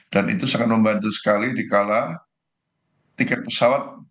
dan itu sangat membantu sekali dikala tiket pesawat